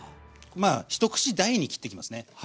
まあ一口大に切っていきますね。